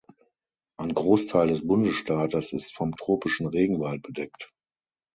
Ein Großteil des Bundesstaates ist vom tropischen Regenwald bedeckt.